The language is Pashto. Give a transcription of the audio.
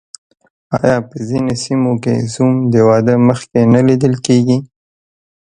آیا په ځینو سیمو کې زوم د واده مخکې نه لیدل کیږي؟